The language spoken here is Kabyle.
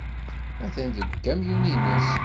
Atan deg ukamyun-nnes.